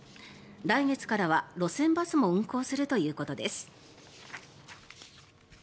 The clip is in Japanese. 来月からは路線バスも運行するということです。